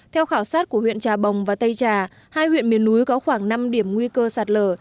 theo khảo sát của huyện trà bồng và tây trà hai huyện miền núi có khoảng năm điểm nguy cơ sạt lở